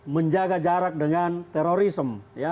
menjaga jarak dengan terorisme